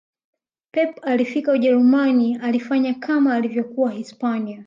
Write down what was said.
pep alipofika ujerumani alifanya kama alivyokuwa hispania